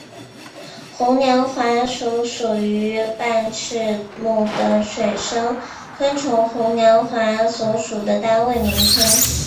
红娘华属属于半翅目的水生昆虫红娘华所属的单位名称。